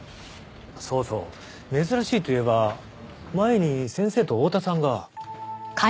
そうそう珍しいといえば前に先生と大多さんが。